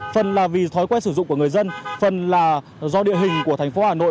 phần là vì thói quen sử dụng của người dân phần là do địa hình của thành phố hà nội